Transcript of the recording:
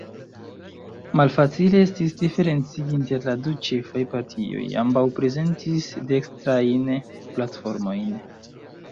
Malfacile estis diferencigi inter la du ĉefaj partioj: ambaŭ prezentis dekstrajn platformojn.